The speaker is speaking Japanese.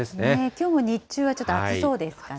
きょうも日中はちょっと暑そうですかね。